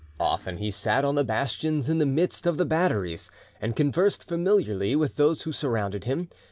Often he sat on the bastions in the midst of the batteries, and conversed familiarly with those who surrounded him.